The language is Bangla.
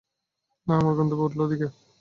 না, আমার গন্তব্য উল্টোদিকে।